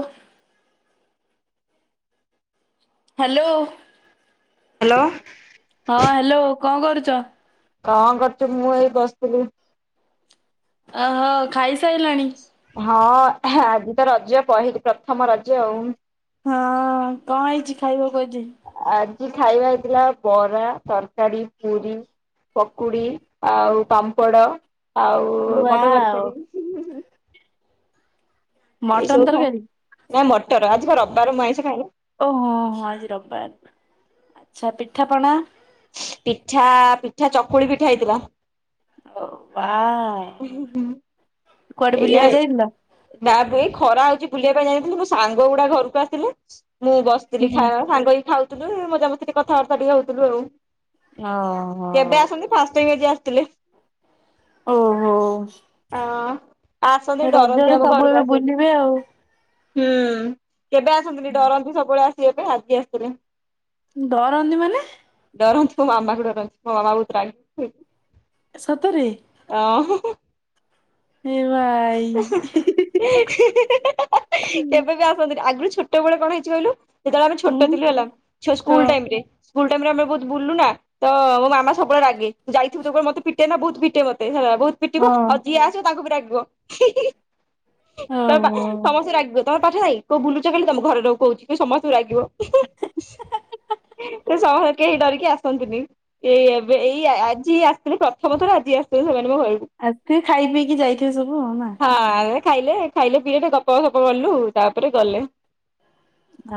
ଉଁହ hello hello ହଁ hello କଣ କରୁଚ? କଣ କରୁଚୁ? ମୁଁ ଏଇ ବସିଥିଲି। ଅ ହ ଖାଇ ସାଇଲଣି? ହଁ ଖେ ଆଜି ତ ରଜ ପହିଲି ପ୍ରଥମ ରଜ ଆଉ। ହଁ କଣ ହେଇଚି? ଖାଇବାକୁ ଆଜି। ଆଜି ଖାଇବା ହେଇଥିଲା ବରା, ତର୍କାରୀ ପୁରି- ପକୁଡି ଆଉ ପାମ୍ପଡ ଆଉ ମଟର୍ ୱାଓ ତର୍କାରୀ ହିଁ ହିଁ। ମଟନ ଏଇସବୁ ଖା ତରକାରୀ କଁ ମଟର ଆଜି ବା ରବିବାର ମୁଁ ଆଇଁଷ ଖାଏନି। ଓହୋ ହଁ ଆଜି ରବିବାର୍। ଆଚ୍ଛା ପିଠାପଣା? ପିଠା ପିଠା ଚକୁଳି ପିଠା ହେଇଥିଲା। ୱାଓ [unintelligible] କୁଆଡେ ଏଇଆ ବୁଲିବାକୁ ଯାଇଥିଲ? ନା ବେ ଖରା ହଉଚି ବୁଲିବା ପାଇଁ ଯାଇଥିଲି। ମୋ ସାଙ୍ଗ ଗୁଡା ଘରକୁ ଆସିଥିଲେ। ମୁଁ ବସ୍ ଥିଲି ହୁଁ ଖଇବା ସାଙ୍ଗ ହେଇକି ଖାଉଥିଲୁ ଏଇ ମଜା ମସ୍ତିରେ କଥା ବାର୍ତ୍ତା ଟିକେ ହଉଥିଲୁ ଆଉ। ଓହୋ। କେବେ ଆସେନି ଫାଷ୍ଟ ଟାଇମ୍ ଆଜି ଆସିଥିଲେ। ଓହୋ ଆସନ୍ତି ଡରନ୍ତି ରଜରେ ଆମ ସବୁ ଘରକୁ ଏବେ ଆସିବା ପାଇଁ। ବୁଲିବେ ଆଉ। ହୁଁ କେବେ ଆସନ୍ତିନି, ଡରନ୍ତି ସବୁବେଳେ ଆସିଆ ପାଇଁ ଆଜି ଆସିଥିଲେ। ଡରନ୍ତି ମାନେ ଡରନ୍ତି ମୋ ମାମାକୁ ଡରନ୍ତି ମୋ ମାମା ବହୁତ୍ ରାଗି। ସତରେ। ଅ ହିଁ ହିଁ ହେବା [unintelligible] କେବେ ବି ହୁଁ ଆସନ୍ତିନି। ଆଗରୁ ଛୋଟ୍ ଛୋଟବେଳେ କଣ ହେଇଛି କହିଲୁ? ଯେତେବେଳେ ଆମେ ଛୋଟ ଥିଲୁ ହେଲା। ଛୁଆ ତ ସ୍କୁଲ ଟାଇମ୍ ରେ। ସ୍କୁଲ ଟାଇମ୍ ରେ ଆମେ ବହୁତ୍ ବୁଲୁ ନା? ତ ମୋ ମାମା ସବୁବେଳେ ରାଗେ। ଯାଇଥିବି ତ ମତେ ପିଟେ ନା ବହୁତ ପିଟେ ମତେ ହେ ବହୁତ୍ ପିଟିବ ହଁ ଆଉ ଯିଏ ଆସିବ ତାଙ୍କୁ ବି ରାଗିବ ଖିଁ ଖିଁ ତ ବା ଓହୋ। ସମସ୍ତେ ରାଗିବ ତ [unintelligible] ହେଇ କଉ ବୁଲୁଚ ଖାଲି ତମ ଘରେ ରୁହ କହୁଚି। ସମସ୍ତଙ୍କୁ ରାଗିବ। [unintelligible] ଏହି ସମସ୍ କେହି ଡରିକି ଆସନ୍ତିନି। ଏଇ ଏବେ ଏଇ ଆଜି ଆସିଥିଲ ପ୍ରଥମ ଥର ଆଜି ଆସିଥିଲେ ସେମାନେ ମୋ ଘରକୁ। ଆତି ଥିବେ, ଖାଇ ପିଇକି ଯାଇଥିବେ ସବୁ ନା? ହଁ ଖାଇଲେ ଖାଇଲେ ପିିଇଲେ ଗପ ସପ କଲୁ ତାପରେ ଗଲେ।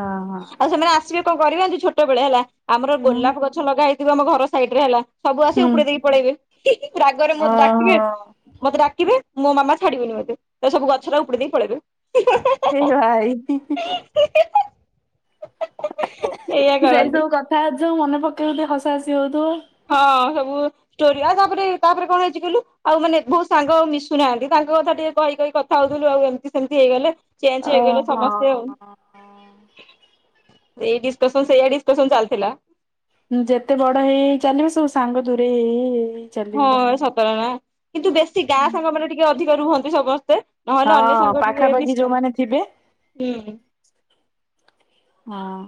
ଓହୋ ଆଉ ସେମାନେ ଆସିବେ କଣ କରିବେ କି ଛୋଟ ବେଳେ ହେଲା ଆମର ହୁଁ ଗୋଲାପ ଗଛ୍- ଛ ଲଗା ହେଇଥିବ ଆମ ଘର ସାଇଡ ରେ ହେଲା। ସବୁ ଆସିବେ ଉପଡେଇ ଦେଇକି ପଳେଇବେ। ହିଁ ହିଁ। ରାଗରେ ମୁଁ ଡାକିବେ ଓହୋ ମତେ ଡାକିବେ। ମୋ ମାମା ଛାଡିବନି ମୋତେ। ତ ସେଠୁ ଗଛଟେ ଉପୁଡେଇ ଦେଇ ପଳେଇବେ। ହେଁ ହେଁ ହେଁ। ଏ ଭାଇ ହିଁ ହିଁ। [unintelligible] ଏଇଆ [unintelligible] ସେଇ କରନ୍ତି। ସବୁ କଥା ହଉଚୁ। ମନେ ପକେଇ ଟିଏ ହସା ହସି ହଉଥିବ। ହଁ ସବୁ ଷ୍ଟୋରି। ଆଉ ତାପରେ ତାପରେ କଣ ହେଇଛି କହିଲୁ? ଆଉ ମାନେ ବହୁତ ସାଙ୍ଗ ମିଶୁନାହାନ୍ତି ତାଙ୍କ କଥା ଟିକେ କହି କହି କ୍- କଥା ହଉଥିଲୁ ଆଉ ଏମିତି ସେମିତି ହେଇଗଲେ ଚେଞ୍ଚ ହେଇଗଲେ ଓହୋ। ସମସ୍ତେ ଆଉ। ଏଇ ଡିସକସନ ସେଇଆ ଡିସକସନ ଚାଲ୍ ଥିଲା। ହୁଁ ଯେତେ ବଡ ହେଇ ହେଇ ଚାଲିବ, ସବୁ ସାଙ୍ଗ ଦୁରେଇ ହେଇ ହେଇ ହେଇ ହେଇ ହଁ ଚାଲିବେ। ସତକଥା। କିନ୍ତୁ ବେଶୀ ଗାଁ ସାଙ୍ଗ ମାନ ଟିକେ ଅଧିକ ରୁହନ୍ତି ସମସ୍ତେ ନହେଲେ ଅନ୍ୟ ହଁ ସାଙ୍ଗ ଟିକେ ପାଖାପାଖି [unintelligible] ଯୋଉମାନେ ଥିବେ ହୁଁ। ହଁ।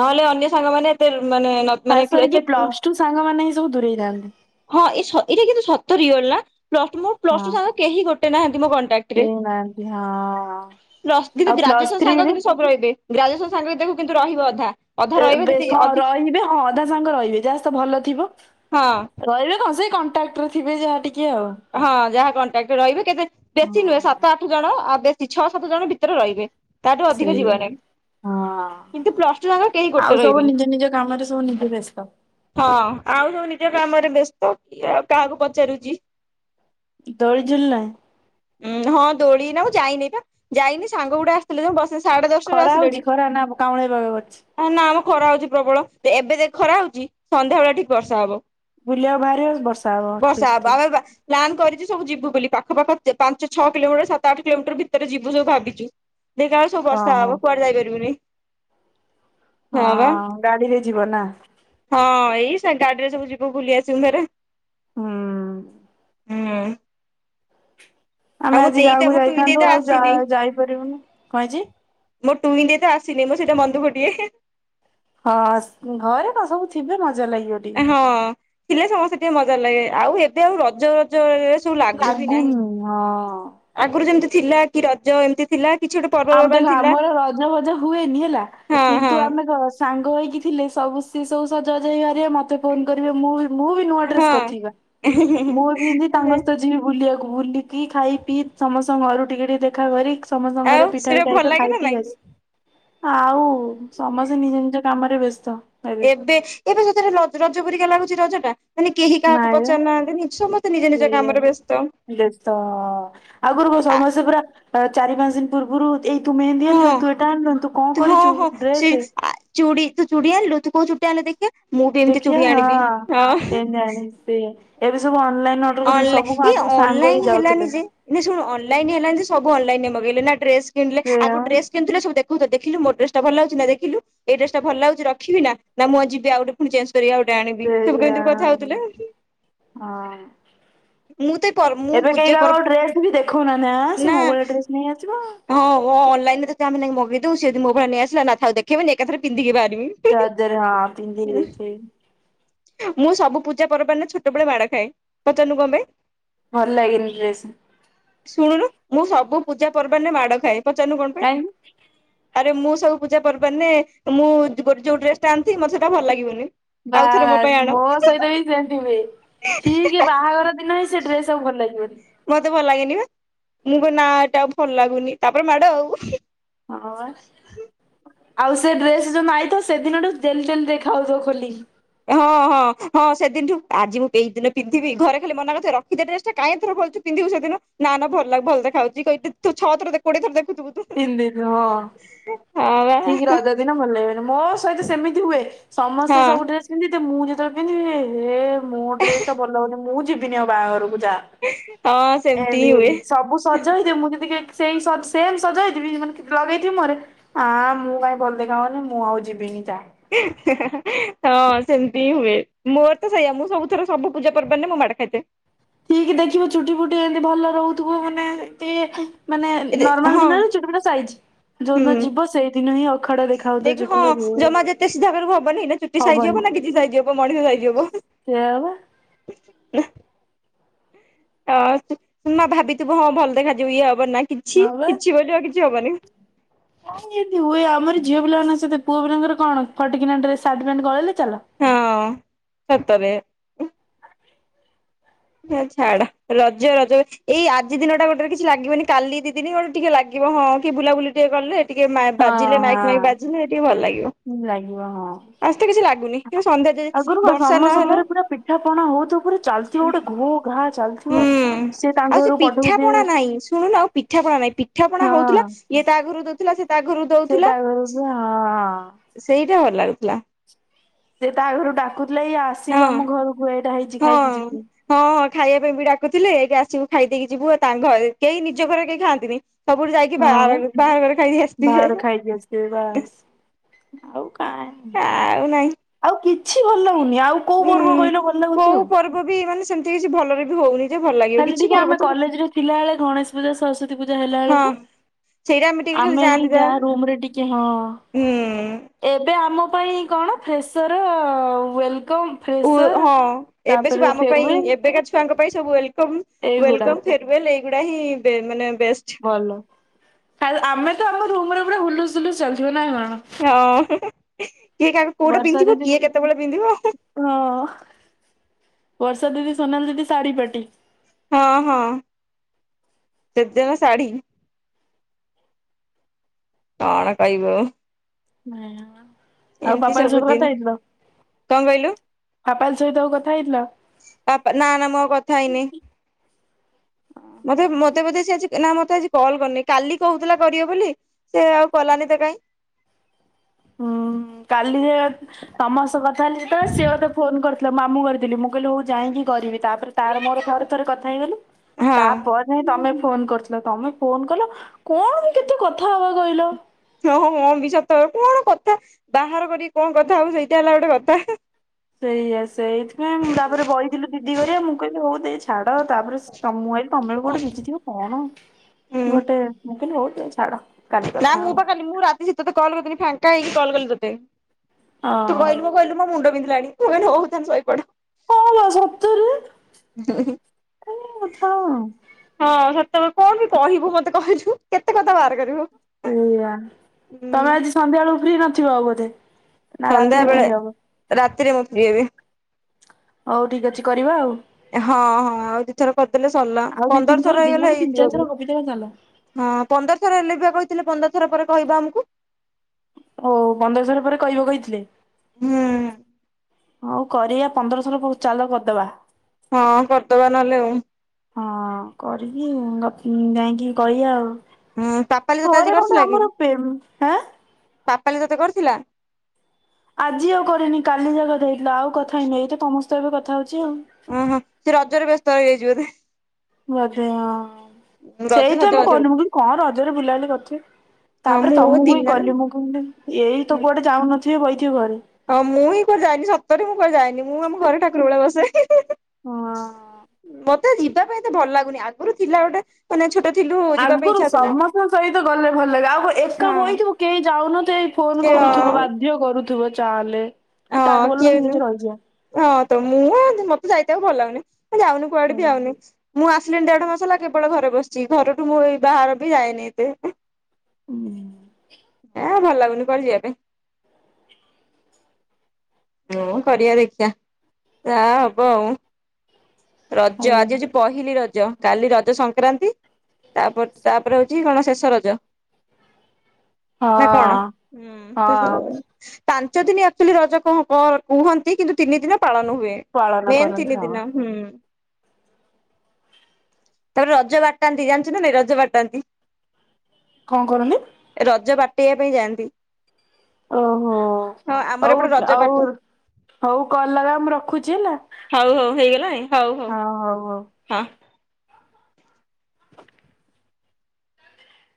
ନହେଲେ ଅନ୍ୟ ସାଙ୍ଗମାନୋନେ ଏତେ ମାନେ ନ ଖାସ କରିକି ପ୍ଲସ ଟୁ ସାଙ୍ଗମାନେ ହିଁ ସବୁ ଦୂରେଇ ଯାଆନ୍ତି। ହଁ ଏଇସ ଏଇଟା କିନ୍ତୁ ସତ ରିଅଲ ନା ପ୍ଲସ ଟୁ ମୋ ପ୍ଲସ ହଁ ଟୁ ସାଙ୍ଗ କେହି ଗୋଟେ ନାହାନ୍ତି ମୋ କଣ୍ଟା କେହି ନାହାନ୍ତି ହଁ। ପ୍ଲସ ଥ୍ରି ଆଉ କିନ୍ତ ପ୍ଲସ୍ ଗ୍ରଜୁଏସନ ସାଙ୍ଗ ଥ୍ରୀରେ କିନ୍ତୁ ସବୁ ରହିବେ ଗ୍ରାଜୁଏସନ ସାଙ୍ଗ ଦେଖ କିନ୍ତୁ ରହିବ ଅଧା। ଅଧା ଏ ରହିବେ ବେ ଯଦି ହଁ ଅଧି ରହିବେ ହଁ ଅଧା ସାଙ୍ଗ ରହିବେ ଯାହା ସହ ଭଲ ଥିବ। ହଁ ରହିବେ କଣ ସେଇ କଣ୍ଟାକ୍ଟ୍ଟରେ ଥିବେ ଯାହା ଟିକେ ଆଉ। ହଁ ଯାହା କଣ୍ଟାକ୍ଟରେ ରହିବେ କେତେ ବେଶୀ ହଁ। ନୁହେଁ ସାତ ଆଠ ଜଣ ଆଉ ବେଶୀ ଛଅ ସାତ ଜଣ ଭିତରେ ରହିବେ। ତାଠୁ ଅଧିକ ସେଇଆ। ଯିବନାହିଁ। ହଁ ଗୋଟେ ଆଉ ସବୁ ରହିବେନି ନିଜ ନିଜ କାମରେ ସବୁ ନିଜେ ବ୍ୟସ୍ତ। ହଁ ଆଉ ସବୁ ନିଜ କାମରେ ବ୍ୟସ୍ତ କିଏ ଆଉ କାହାକୁ ପଚାରୁଛି? ଦୋଳି ଝୁଲିଲାଣି? ଉଁ ହଁ ଦୋଳି ନା ମୁଁ ଯାଇନି ପା, ଯାଇନି ସାଙ୍ଗ ଗୋଟେ ଆସିଥିଲେ ଯେ ବସ ବସ୍ ଖରା ହଉଛି ଖରା ନା କାଉଁଳିଆ ପାଗ କରିଚି? ହେ ନା ମ ଖରା ହଉଛି ପ୍ରବଳ। ଏବେ ଦେଖ୍ ଖରା ହଉଚି ସନ୍ଧ୍ୟା ବେଳେ ଠିକ୍ ବର୍ଷା ହବ। ବୁଲିବାକୁ ବାହାରିବ ବର୍ଷା ହବ ବର୍ଷା ଠିକ୍ ହବ ଠିକ୍। ଆମେ ବା ପ୍ଲାନ୍ କରିଛି ସବୁ ଯିବୁ ବୋଲି ପାଖ ପାଖ ପାଞ୍ଚ ଛଅ କିଲୋମିଟର ସାତ ଆଠ କିଲୋମିଟର ଭିତରେ ଯିବୁ ସବୁ ଭାବିଛୁ। ଦେଖିଲାକୁ ସବୁ ବର୍ଷା ଓହୋ। ହବ କୁଆଡ଼େ ଯାଇପାରିବୁନେଇ। ହଁ ଗାଡ଼ି ରେ ଯିବ ନା? ହଁ ଏଇ ସେ ଗାଡ଼ିରେ ସବୁ ଯିବୁ ବୁଲି ଆସିବୁ ଭେରେ। ହୁଁ। ହୁଁ। ଆଉ ଆମେ ମୋ ଆଜି ଦେଇ ତ ଗାଁକୁ ମୋ ଟୁଇଁ ଦେଇ ଯାଇଥାନ୍ତୁ ତ ଆଉ ଯା ଆସିନି। ଯାଇପାରିବୁନି। ମୋ ଟୁଇଁ ଦେଇ ତ ଆସିନି ମୁଁ ସେଇଟା ମନ ଦୁଃଖ ଟିକେ। ହେଁ ହଁଶ୍ ଘରେ ତ ସବୁ ଥିବେ ମଜା ଲାଗିବ ଟିକେ। ହଁ ଥିଲେ ସମସ୍ତେ ଟିକେ ମଜା ଲାଗେ ଆଉ ଏବେ ଆଉ ରଜ ଜ ଏରା ସବୁ ଲାଗୁ ବି ନାହିଁ ଲାଗୁନି। ହଁ ଆଗରୁ ଯେମତି ଥିଲା କି ରଜ ଏମତି ଥିଲା କିଛି ଗୋଟେ ପ ଆମ ଦେଖ ଆମର ରଜ ଭଜ ହୁଏନି ହେଲା। କିନ୍ତୁ ଆମେ ହଁ ଘସ୍ ସାଙ୍ଗ ହେଇକି ଥିଲେ ସବୁ ସିଏ ସବୁ ସଜବାଜ ହେଇକି ବାହାରିବେ। ମତେ ଫୋନ କରିବେ ମୁଁ ମୁଁ ବି ନୂଆ ଡ୍ରେସ କରିଥିବି ବା ହଁ ମୋର୍ ବି ତାଙ୍କ ହଁ। ସହିତ ଯିବି ବୁଲିବାକୁ। ବୁଲିକି ଖାଇ ପିଇ ସମସ୍ତଙ୍କ ଘରୁ ଟିକେ ଟିକେ ଦେଖା କରି ସମସ୍ତ ଆଉ ପିଠା ପିଠା ସେଟା ଭଲ ହେଇଥିବ ଲାଗେ ଖାଇ ନା ପି ନାଇଁ? ଆସି ଆଉ ସମସ୍ତେ ନିଜ ନିଜ କାମରେ ବ୍ୟସ୍ତ। ଏବେ ଏବେ ସେତରେ ରଜ ପରିକା ଲାଗୁଛି ରଜ ଟା? ମାନେ କେହି କାହାକୁ ନାଇଁ ବା ପଚାରୁ ନାହାନ୍ତି ସମସ୍ତେ ନିଜେ ନିଜ ସେଇଆ କାମରେ ବ୍ୟସ୍ତ। ବ୍ୟସ୍ତ ହଁ ଆଗରୁ କ ସମସ୍ତେ ପୁରା ଚାରି ପାଞ୍ଚ ଦିନ ପୂର୍ବରୁ ଏଇ ତୁ ମେହେନ୍ଦୀ ହଁ ଆଣିଲୁନୁ, ତୁ ଏଇଟା ଆଣିଲୁନୁ, ତୁ କଣ କରିଛୁ ଡ୍ରେସେ? ଚୁଡ଼ି ତୁ ଚୁଡ଼ି ଆଣିଲୁ ତୁ କୋଉ ଚୁଡ଼ିଟା ଆଣିଲୁ ଦେଖିଆ ମୁଁ ବି ଏମିତି ଚୁଡ଼ି ଆଣିବି ହଁ। ଜାଣିସ ପେ ଏବେ ସବୁ ଅନଲାଇନ ଅର୍ଡର କରୁଛନ୍ତି ଅନଲା, ସବୁ ଏଇ ଆଗରୁ ସାଙ୍ଗ ହେଇ ଅନଲାଇନ ହେଲାନି ଯାଉଥିଲେ। ଯେ ନାଇନା ଶୁଣୁ ଅନଲାଇନ ହେଲାଣି ଯେ ସବୁ ଅନଲାଇନରେ ମଗେଇଲେ ନା ଡ୍ରେସ କିଣିଲେ। ସେଇଆ ଆଗରୁ ବା ଡ୍ରେସ କିଣୁଥିଲେ ସବୁ ଦେଖୋଉଥିଲେ, ଦେଖିଲୁ ମୋ ଡ୍ରେସ୍ ଟା ଭଲଲାଗୁଛିନା ଦେଖିଲୁ। ଏଇ ଡ୍ରେସ୍ ଟା ଭଲ ଲାଗୁଛି ରଖିବି ନା ନା ମୁଁ ଆ ଯିବି ଆଉ ପୁଣି ଚେଞ୍ଜ କରିକି ଆଉ ଗୋଟେ ଆଣିବି ସବୁ ସେଇଆ କେମିତି କଥା ହଉଥିଲେ। ହଁ। ମୁଁ ତ ଏଇ ପର ମୁଁ ଏବେ କେହି ପୂଜା ପର୍ବ କାହାକୁ ଡ୍ରେଶ୍ ବି ଦେଖଉନାହାନ୍ତି ଆଁ ସେ ନା ମୋଭଳିଆ ଡ୍ରେସ ନେଇ ଆସିବ। ହଁ ହଁ ଅନଲାଇନ ରେ ଯଦି ଆମେ ନେଇ ମଗେଇଦେଉ ସିଏ ଯଦି ମୋ ଭଳି ନେଇଆସିଲା, ନା ଥାଉ ଦେଖେଇବିନି ଏକାଥରେ ପିନ୍ଧିକି ବାହାରିମି। ରଜରେ ହଁ [unintelligible] ମୁଁ ସବୁ ପୂଜା ପର୍ବାଣେ ଛୋଟବେଳେ ମାଡ଼ ଖାଏ ପଚାରୁନୁ କଣ ପାଇଁ? ଭଲ ଲାଗେନି ଡ୍ରେସ। ଶୁଣୁନୁ ମୁଁ ସବୁ ପୂଜା ପର୍ବାଣରେ ମାଡ଼ ଖାଏ ପଚାରୁନୁ କଣ ପାଇଁ? କାହିଁକି ଆରେ ମୁଁ ସବୁ ପୂଜା ପର୍ବରାନିନେ ମୁଁ ଗୋଟେ ଯୋଉ ଡ୍ରେସ ଟା ଆଣିିଥିବି ମତେ ସେଟା ଭଲ ଲାଗିବନି। ଆଉଥରେ ପାଇଁ ବାସ୍ ଆଣ। ମୋ ସହିତ ବି ସେମତି ହୁଏ ଠିକ ବାହାଘର ଦିନ ହିଁ ସେ ଡ୍ରେସ। ସବୁ ଭଲ ଲାଗିବନି। ମତେ ଭଲ ଲାଗେନି ବା ମୁଁ କହେ ନା ଏଟା ଭଲ ଲାଗୁନି ତାପରେ ମାଡ ଆଉ। ଅ। ଆଉ ସେ ଡ୍ରେସ ଯୋଉ ଦିନ ଆଇଥିବ ସେ ଦିନଠୁ ଡେଲି ଡେଲି ଦେଖା ହଉ ଥିବ ଖୋଲି- ହଁ ହଁ। ହଁ ହଁ ସେଦିନୁଠୁ ଆଜି ମୁଁ ଏଇ ଦିନ ପିନ୍ଧିବି ଘରେ ଖାଲି ମନା କରୁ ଥିବେ ରଖିଦେ ଏ ଡ୍ରେସ ଟା କାଇଁ ଏତେ ଥର ଖଲୁଚୁ ପିନ୍ଧିବୁ ସେଦିନ। ନା ନା ଭଲ ଲାଗ ଭଲ ଦେଖାଯାଉଛି କହି ତୁ ଛ ଥର ଦେ କୋଡିଏ ଥ ଦେଖୁଥିବୁ ତୁ ତିନି ଦିନ ହଁ ହଁ ବା ଠିକ ରଜ ଦିନ ଭଲ ଲାଗିବନି ମୋ ସହିତ ସେମିତି ହୁଏ। ସମସ୍ତେ ହଁ ସବୁ ଡ୍ରେସ ପିନ୍ଧି ଥିବେ ମୁଁ ଯେତେବେଳେ ପିନ୍ଧିବି ଏ ହେ ମୋ ଡ୍ରେସ ଟା ଭଲ ହଉନି ମୁଁ ଯି ବିନି ଆଉ ବାହାଘରକୁ ଯା ହଁ ସେମିତି ହିଁ ହୁଏ ଏମତି ସବୁ ସଜ ହେଇଥିବେ ମୁଁ କିନ୍ତୁ ଟିକିଏ ସେଇ ସଟ୍ ସେମ୍ ସଜେଇଥିବି ମାନେ ଲଗେଇଥିବି ମୁହଁରେ ଆଁ ମୁଁ କାଇଁ ଭଲ ଦେଖା ଆଉନି ମୁଁ ଆଉ ଯିବିନି ଯା ହଁ ସେମିତି ହୁଏ ମୋର ତ ସେଇଆ ମୁଁ ସବୁଥର ସବୁ ପୂଜା ପର୍ବାଣି ରେ ମୁଁ ମାଡ ଖାଇତେ। ଠିକିି ଦେଖିବୁ ଚୁଟି ଫୁଟି ଏମିତି ଭଲ ରହୁଥିବ ମାନେ ଏତେ ମାନେ ଏ ନର୍ମାଲ ହଁ ଦିନରେ ଚୋଟି ଚୁଟା ସାଇଜ ଯୋଉ ଦିନ ଯିବ ସେଇ ଦିନ ହିଁ ଅଖାଡ ଦେଖାଯାଉଥିବ ଦେଖି ହଁ ଚୁଟି ହେ ଜମା ଯେତେ ସିଧା କରିବୁ ହବନି ନା ଚୁଟି ସାଇଜି ହବ ନା କିଛି ସାଇଜି ହବ ମଣିଷ ସାଇଜି ହବ। ସେୟାଵା। ନା ଅ ମା ଭାବିଥିବୁ ହଁ ଭଲ ଦେଖାଯିବୁ ଇଏ ହବ ନା କିଛି ହଁ ବା। କିଛି ବୋଲି ଆଉ କିଛି ହବନି। ହଁ ଇନ୍ଦି ହୁଏ ଆମର ଝିଅ ପିଲାଙ୍କ ସହିତ ପୁଅ ପିଲାଙ୍କର କଣ ଫଟକିନା ଡ୍ରେସ୍ ସାର୍ଟ ପ୍ୟାଣ୍ଟ ଗଳେଇଲେ ଚାଲ। ହଁ ସତରେ। ହେରା ଛାଡ ରଜ ରଜ ଏଇ ଆଜି ଦିନ ଟା ଗୋଟେରେ କିଛି ଲାଗିବନି କାଲି ଦି ଦିନି ଗୋଟେ ଟିକେ ଲାଗି ହଁ କିଏ ବୁଲାବୁଲି ଟିକେ କଲେ ଟିକେ ହଁ ବାଜିଲେ ମାଇକି ମାଇକି ହଁ ବାଜିଲେ ସେ ଟିକେ ଭଲ ଲାଗିବ। ଲାଗିବ ହଁ ଆଜି ତ କିଛି ଲାଗୁନି ସନ୍ଧ୍ୟା ଆଗୁରୁ କଣ ବର୍ଷା ସମ ନହେଲା ସମଘରେ ପୁରା ପି ପିଠା ପଣା ହଉଥିବ ପୁରା ଚାଲିଥିବ ଗୋଟେ ଘୁ ଘା ଚାଲ ହୁଁ ଆଉ ସେ ପିଠାପଣା ନାଇଁ ଶୁଣୁନ ଆଉ ପିଠା ପଣା ନାହିଁ ପିଠା ପଣା ହଉଥିଲା। ହଁ ଇଏ ତା ଘରୁ ଦଉଥିଲା ସେ ତା ଘରୁ ସେ ତା ଦଉଥିଲା ଘରକୁ ହଁ। ସେଇଟା ଭଲ ଲାଗୁଥିଲା। ସେ ତା ଘରୁ ଡାକୁଥିଲେ ଏଇ ହଁ ଆସିବୁ ଆମ ଘରକୁ ଏଇଟା ହେଇ ହଁ। ହଁ ଖାଇବା ପାଇଁ ବି ଡାକୁଥିଲେ ଏଇଢେ ଆସିବୁ ଖାଇ ଦେଇକି ଯିବୁ ଆଉ ତାଙ୍କ ଘରେ କେହି ନିଜ ଘରେ କେହି ଖାଆନ୍ତିନି। ସବୁଠୁ ଯାଇକି ହଁ ବାହାର ବାହାଘର ଖାଇକି ଆସିଥିବେ। ଏ ବାସ୍ ଆଉ କା ଆଉ ନାଇଁ। ଆଉ କିଛି ଭଲ ଲାଗୁନି ଆଉ। କୋଉ ପର୍ବ ହୁଁ କହିଲ ଭଲ ଲାଗୁଛି କୋଉ ଆଉ। ପର୍ବ ବି ମାନେ ସେମିତି କିଛି ଭଲରେ ବି ହଉନି। ଯେ ଭଲ ଲାଗିବ ଖାଲି କିଛି ଟିକେ ପର୍ବ ଆମେ ତ କଲେଜରେ ଥିଲାବେଳେ ଗଣେଶ ପୂଜା ସରସ୍ଵତୀ ପୂଜା ହେଲା ହଁ ବେଳକୁ। ସେଇଟା ଟିକେ ଖାଲି ଆମେ ହିଁ ଯାଆନ୍ତି ଯା ଯାହା ରୁମ୍ ରେ ଟିକେ ହଁ। ହୁଁ ଏବେ ଆମ ପାଇଁ କଣ ଫ୍ରେସର ୱେଲକମ୍। ଉ ଫ୍ରେସର ହଁ ଏବେ ସବୁ ତାପରେ ଆମ ପାଇଁ ଫେରୱେଲ ଏବେକା ଛୁ ଛଆଙ୍କ ପାଇଁ ସବୁ ୱେଲକମ ଏଇଗୁଡା ୱେଲକମ ଫେରଓ୍ୱେଲ୍ ଏଇଗୁଡା ହିଁ ମାନେ ବେଷ୍ଟ ଭଲ ଆମେ ତ ଆମ ରୁମ ରେ ପୁରା ହୁଲୁସୁଲୁ ଚାଲିଥିବ ନା କଣ। ହଁ କିଏ କା କୋଉଟା ବର୍ଷା ପିନ୍ଧିବ ଦିଦି କିଏ କେତେବେଳେ ପିନ୍ଧିବ। ହଁ ବର୍ଷା ଦିଦି ସୋନାଲି ଦିଦି ଶାଢ଼ୀ ପାଟି। ହଁ ହଁ ସେ ଦିଜଣ ଶାଢ଼ୀ। କଣ କଇବ। [inaudible] ଆଉ ଏମିତି ପାପାଲ ସବୁ ସହିତ ଦିନ କଥା ହେଇଥିଲ କଣ କହିଲୁ ପାପାଲ ସହିତ ଆଉ କଥା ହେଇଥିଲ। ବାପା ନା ନା ମୋ ଆଉ କଥା ହେଇନି ମତେ ମତେ ବୋଧେ ସେ ଆଜି ନା ମତେ ଆଜି କଲ୍ କରିନି କାଲି କହୁଥିଲା କରିବ ବୋଲି ସେ ଆଉ କଲାନି ତ କାଇଁ ହୁଁ କାଲି ଯେ ତମସ୍ତ କଥା ହେଲିଯେତେବେଳେ ସିଏ ମୋତେ ଫୋନ କରି ମାମୁଁ କରିଥିଲି ମୁଁ କହିଲି ହଉ ଯାଇକି କରିବି ତାପରେ ତାର ମୋର ଥରେ ଥରେ କଥା ହେଇଗଲୁ ହଁ ତାପରେ ନାଇଁ ତମେ ଫୋନ କରୁଥିଲ ତମେ ଫୋନ କଲ କଣ କେତେ କଥା ହବା କହିଲ ହଁ ହଁ ମୋ ବି ସତ କଣ କଥା ବାହାର କରିକି କଣ କଥା ହବ ସେଇଟା ହେଲା ଗୋଟେ କଥା ସେଇଆ ସେଇଥିପାଇଁ ତାପରେ ବଇଥିଲୁ ଦିଦି ହରିଆ ମୁଁ କହି ହଉତେଚେ ଛାଡ ତାପରେ ତ ମୁଁଇ ତମେ ବି କୋଉଠି ଭିଜିଥିବ କଣ ଗୋଟେ ମୁକହିଲି ହଉ ଦେ ଛାଡ କାଲି କଥା ନାଇଁ ମୁଁ ହବା ପାଖାଲି ମୁଁ ରାତି ଶୀ ତେ କଲ୍ କରିଥିଲି ଫାଙ୍କା ହେଇକି କଲ୍ କଲି ତୋତେ ତୁ ହଁ କହିଲୁ ମୋ କହିଲୁ ମୋ ମୁଣ୍ଡ ବିନ୍ଧିଲାଣି ମୁଁ କହିଲି ହଉ ତୁ ଶୋଇପଡ ହ ସତରେ ଦ ହିଁ [unintelligible] କାଲି କଥା ହବା ହଁ ସେତେବେଳେ କଣ ବି କହିବୁ ମତେ କହିଛୁ କେତେ କଥା ବାହାର କରିବ ସେଇଆ ତମେ ଆଜି ସନ୍ଧ୍ୟା ବେଳକୁ ଫ୍ରି ନଥିବ ଆଉ ବୋଧେ ନା ସନ୍ଧ୍ୟା ରାତିରେ ଫ୍ରି ବେଳେ ହବ ରାତିରେ ମୁଁ ଫ୍ରି ହେବି ହଉ ଠିକ ଅଛି କରିବା ଆଉ ହଁ ହଁ ଆଉ ଦିଇ ଥର କରିଦେଲେ ସରିଲା ପନ୍ଦରଶହର ହେଇଗଲା ହେଇଯିବ ବି କେତବେ ଚାଲ ହଁ ପନ୍ଦର ଥର ହେଲେ ବି ଆ କହିଥିଲେ ପନ୍ଦର ଥର ପରେ କହିବା ଆମକୁ ଓ ପନ୍ଦରଶହର ପରେ କହିବ କହିଥିଲେ ହୁଁ ହଉ କରିବା ପନ୍ଦରଶହ ଚାଲ କରିଦବା ହଁ କରିଦବା ନହେଲେ ଆଉ ହଁ କରିକି ଗପି ଯାଇକି କହିଆ ଆଉ ହୁଁ ପାପାଲି ତତେ ଆଜି ଘରେ କଣ୍ଡେ କରିଥିଲା କି? ଆମରପେମ- ଆ ପାପାଲି ତତେ କରିଥିଲା ଆଜି ଆଉ କରିନି କାଲି ଯାକକଥା ହେଇଥିଲା ଆଉ କଥା ହେଇନି ଏଇତ ମସ୍ତେ ଏବେ କଥା ହଉଛି ଆଉ ଉ ହୁ ସିଏ ରଜରେ ବ୍ୟସ୍ତ ହେଇ ଯାଇଛି ବୋଧେ ବୋଧେ ହଁ ବୋଧେ ରଜ ସେଇ ତ ମୁଁ ସଜବାଜ କନୁ ମୁ କହିଲି କଣ ରଜରେ ବୁଲାବୁଲି କରିଥିବେ ହଁ ତାପରେ ମୁଁ ତମକୁ ହିଁ ଦିନରେ କଲି ମୁଁ ଏଇ ତ କୁଆଡେ ଯାଉନଥିବେ ବହିଥିବ ଘରେ ହଁ ମୁଁ ହିଁ କୁଆରେ ଯାଏନି ସତରେ ମୁଁ କୁଆଡେ ଯାଏନି ମୁଁ ଆମ ଘରେ ଠାକୁର ବେଳେ ବସେ ହେଁ ହେଁ ହେଁ ହଁ ମତେ ଯିବା ପାଇଁ ତ ଭଲ ଲାଗୁନି ଆଗରୁ ଥିଲା ଗୋଟେ ମାନେ ଛୋଟ ଥିଲୁ ଯିବା ପାଇଁ ଆଗରୁ ଇଚ୍ଛା ଥିଲା ସମସ୍ତଙ୍କ ସହିତ ଗଲେ ଭଲ ଲାଗେ ଆଉ କଣ ଏକା ହଁ ବଇଥିବୁ କେହି ଯାଉନ ନଥିବେ ସେ ଫୋନ କରୁଥିବୁ ବା ଝିଅ କରୁଥିବ ଚାଲେ କି ହଁ ତାଠୁ ଭଲ କିଏ ତମେ ନିଜେ ରହିଯିବା ହଁ ତ ମୁଁ ମତେ ଯାଇତେ ଆଉ ଭଲ ଲାଗୁନି ଯାଉନି କୁଆଡେ ହଉ। ବିି ଆଉନି ମୁଁ ଆସିଲିଣିି ଦେଢ ମାସ ହେଲା କେବଳ ଘରେ ବସିଛି ଘରଠୁ ମୁଁ ଏ ବାହାର ବି ଯାଏନି ଏତେ ଏ ଭଲ ଲାଗୁନି କୁଆଡେ ଯିବା ପାଇଁ ହଁ କରିବା ଦେଖିବା ଯାହା ହବ ଆଉ ରଜ ଆଜି ହଁ ହଉଛି ପହିଲି ରଜ କାଲି ରଜ ସଂକ୍ରାନ୍ତି। ତାପ ତାପରେ ହୋଉଚି କଣ ଶେଷ ରଜ। ହଁ ନା କଣ? ହୁଁ [unintelligible] ପାଞ୍ଚ ଦିନ ଆକ୍ଚୁଆଲି ରଜ କ କୁହନ୍ତି କିନ୍ତୁ ତିନି ଦିନ ପାଳନ ହୁଏ। ପାଳନ ମେନ୍ କରନ୍ତି ତିନି ହଁ। ଦିନ ହୁଁ। [inaudible] ତାପରେ ରଜ ବାଟାନ୍ତି ଜାଣିଚୁ ନା ନାଇଁ ରଜ ବାଟାନ୍ତି। କଣ କରନ୍ତି? ରଜ ବାଟେଇବା ପାଇଁ ଯାଆନ୍ତି। ଓହୋ ହଁ ଆମର ହଉ ଏପଟେ ରଜ ଆଉ ବାଟ ହଉ କଲ ଲଗା ମୁଁ ରଖୁଛି ହେଲା। ହଉ ହଉ ହେଇଗଲାଣି ହଉ ହଉ ହଁ ହଉ ହଉ। ହଁ। [unintelligible]